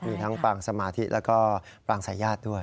มีทั้งปรางสมาธิแล้วก็ปรางสายญาติด้วย